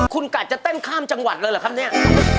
คุณกะจะเต้นข้ามจังหวัดเลยเหรอครับเนี่ย